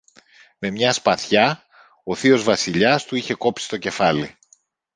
Με μια σπαθιά ο θείος Βασιλιάς του είχε κόψει το κεφάλι.